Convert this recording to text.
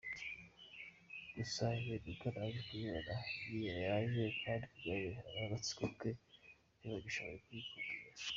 Gusa impinduka njye ndayibona ngiyi yaje kandi Kagame n’Agatsiko ke ntibagishoboye kuyikumira !